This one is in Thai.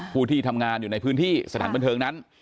ผู้ที่ทำงานอยู่ในพื้นที่สถานบันเทิงนั้น